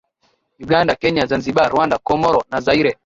Uganda Kenya Zanzibar Rwanda Komoro na Zaire